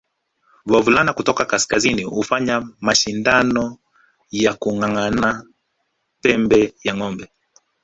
Wavulana kutoka kaskazini hufanya mashindano ya kunyanganyana pembe ya ngombe